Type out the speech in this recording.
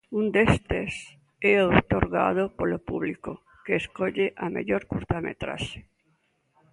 Un destes é outorgado polo público, que escolle a mellor curtametraxe.